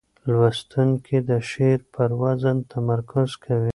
لوستونکي د شعر پر وزن تمرکز کوي.